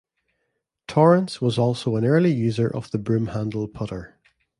Torrance was also an early user of the broomhandle putter.